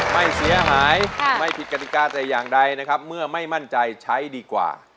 ไม่เสียหายไม่ผิดกฎิกาแต่อย่างใดนะครับเมื่อไม่มั่นใจใช้ดีกว่า